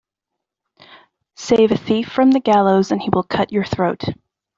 Save a thief from the gallows and he will cut your throat.